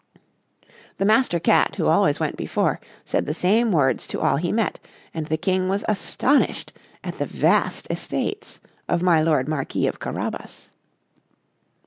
The Master Cat, who went always before, said the same words to all he met; and the King was astonished at the vast estates of my lord Marquis of Carabas.